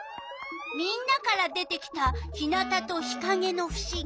みんなから出てきた日なたと日かげのふしぎ。